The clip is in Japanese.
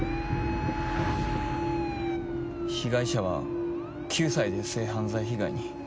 被害者は９歳で性犯罪被害に？